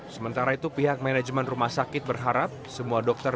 sementara itu pihak manajemen rumah sakit berharap semua dokter